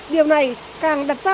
điều này càng đặt ra